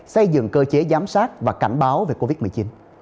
xây dựng cơ chế giám sát và cảnh báo về covid một mươi chín